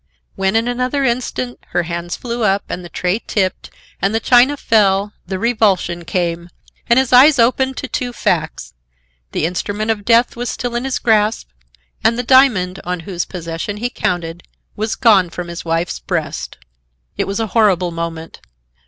When in another instant, her hands flew up, and the tray tipped, and the china fell, the revulsion came, and his eyes opened to two facts: the instrument of death was still in his grasp, and the diamond, on whose possession he counted, was gone from his wife's breast. It was a horrible moment.